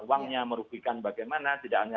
uangnya merugikan bagaimana tidak hanya